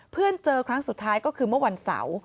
เจอครั้งสุดท้ายก็คือเมื่อวันเสาร์